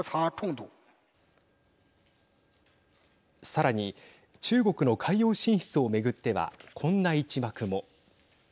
さらに、中国の海洋進出を巡っては、こんな一幕も。